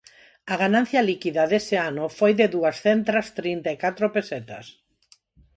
A ganancia líquida dese ano foi de duas centras trinta e catro pesetas.